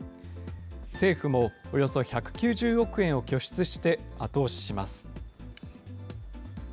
政府もおよそ１９０億円を拠出して後押しします。